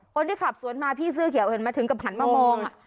คนที่ขับสวนมาพี่ซื่อเขียวเห็นไหมถึงกำถมามองอ่ะ